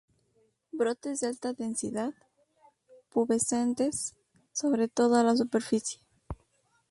Brotes de alta densidad, pubescentes, sobre toda la superficie.